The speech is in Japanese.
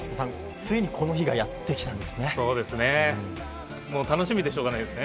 ついにこの日がやってきたんですね。